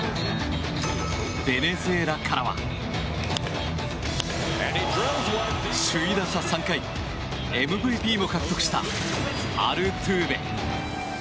ベネズエラからは首位打者３回ＭＶＰも獲得したアルトゥーベ。